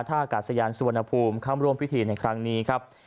ท่ากาศยานสุวรรณภูมิเข้าร่วมพิธีในครั้งนี้ครับ